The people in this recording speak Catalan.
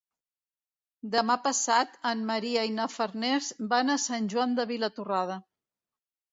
Demà passat en Maria i na Farners van a Sant Joan de Vilatorrada.